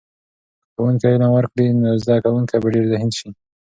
که ښوونکی علم ورکړي، نو زده کونکي به ډېر ذهین سي.